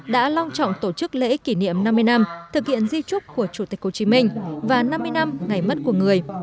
đã long trọng tổ chức lễ kỷ niệm năm mươi năm thực hiện di trúc của chủ tịch hồ chí minh và năm mươi năm ngày mất của người